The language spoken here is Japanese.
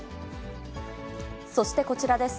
そしてこちらです。